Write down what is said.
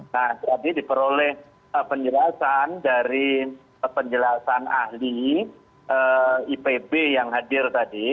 nah jadi diperoleh penjelasan dari penjelasan ahli ipb yang hadir tadi